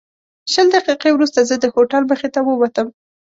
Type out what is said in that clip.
شل دقیقې وروسته زه د هوټل مخې ته ووتم.